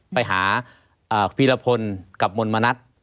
ไปหาฟีรพลกับมนตรมานัด